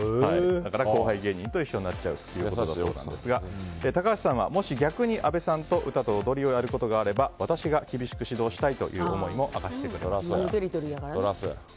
だから後輩芸人と一緒になってしまうそうなんですが高橋さんはもし逆に、あべさんと歌と踊りをやることがあれば私が厳しく指導したいという思いも明かしてくれました。